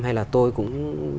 hay là tôi cũng